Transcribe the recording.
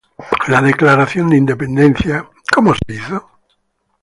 La Declaración de Independencia, ¿Cómo fue hecha?